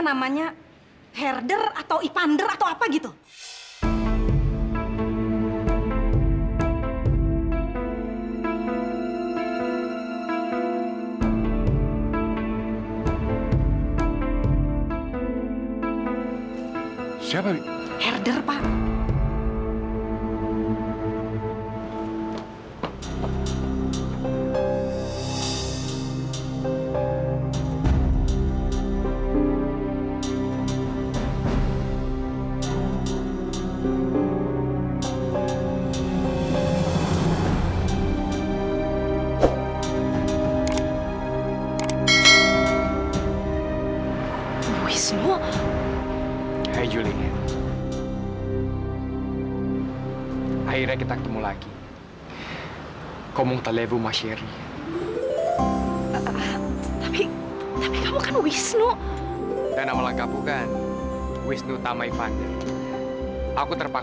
sampai jumpa di video selanjutnya